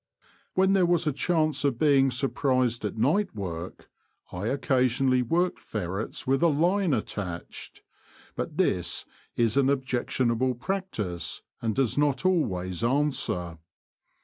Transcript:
When there was a chance of being surprised at night work I occasionally worked ferrets with a line attached ; but this is an objectionable practice and does not always answer.